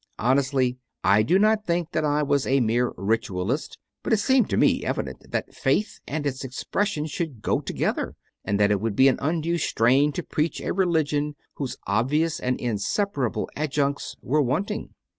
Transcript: Honestly, I do not think that I was a mere "Ritualist," but it seemed to me evident that faith and its expression should go together, and that it would be an undue strain to preach a religion whose obvious and inseparable adjuncts were want ing.